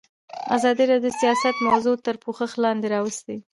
ازادي راډیو د سیاست موضوع تر پوښښ لاندې راوستې.